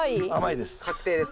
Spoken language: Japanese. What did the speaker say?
確定です。